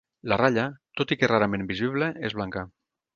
La ratlla, tot i que rarament visible, és blanca.